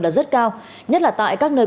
là rất cao nhất là tại các nơi